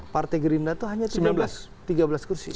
partai gerindra itu hanya tiga belas kursi